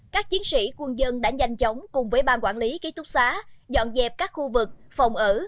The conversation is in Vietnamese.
các chiến sĩ quân dân đã nhanh chóng cùng với bang quản lý ký túc xá dọn dẹp các khu vực phòng ở